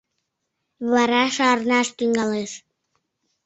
Вара шарнаш тӱҥалеш.